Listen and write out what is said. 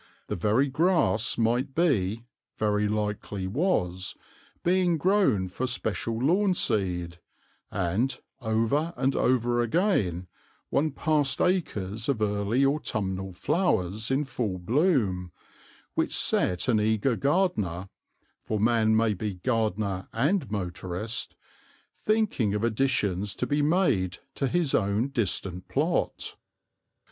The very grass might be, very likely was, being grown for special lawn seed, and, over and over again, one passed acres of early autumnal flowers in full bloom, which set an eager gardener (for man may be gardener and motorist) thinking of additions to be made to his own distant plot.